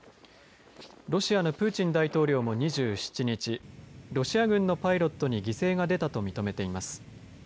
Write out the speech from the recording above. ロシアのプーチン大統領も２７日ロシア軍のパイロットに犠牲が出たと認めています。